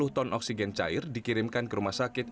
tiga puluh ton oksigen cair dikirimkan ke rumah sakit